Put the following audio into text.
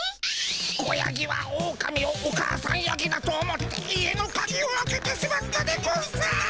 子ヤギはオオカミをお母さんヤギだと思って家のカギを開けてしまったでゴンス。